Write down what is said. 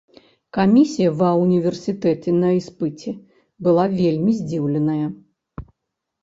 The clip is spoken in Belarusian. Камісія ва ўніверсітэце на іспыце была вельмі здзіўленая.